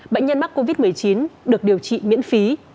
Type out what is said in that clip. bệnh nhân mắc covid một mươi chín được điều trị miễn phí